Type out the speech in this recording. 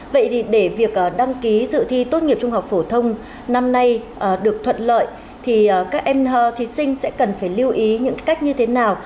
vậy thì để việc đăng ký dự thi tốt nghiệp trung học phổ thông năm nay được thuận lợi thì các em thí sinh sẽ cần phải lưu ý những cách như thế nào